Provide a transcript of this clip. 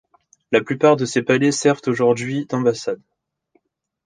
La plupart de ces palais servent aujourd'hui d'ambassades.